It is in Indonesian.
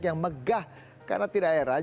yang megah karena tidak heran